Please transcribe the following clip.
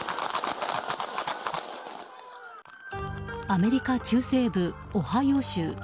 アメリカ中西部オハイオ州。